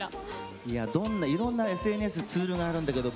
いろんなＳＮＳツールがあるんですけど